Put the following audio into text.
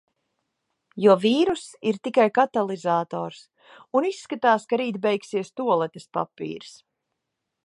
Jo vīruss ir tikai katalizators. Un izskatās, ka rīt beigsies tualetes papīrs.